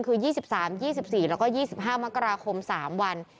คือ๒๓๒๔แล้วก็๒๕มกราคม๓วัน